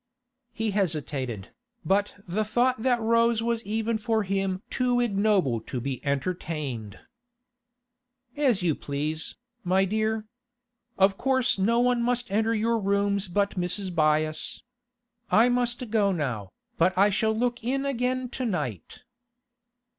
He hesitated, but the thought that rose was even for him too ignoble to be entertained. 'As you please, my dear. Of course no one must enter your rooms but Mrs. Byass. I must go now, but I shall look in again to night.